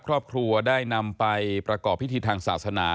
ครอบครัวได้นำไปประกอบพิธีทางศาสนา